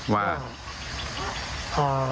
ว่า